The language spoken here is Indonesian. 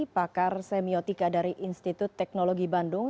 pakar semiotika dari institut teknologi bandung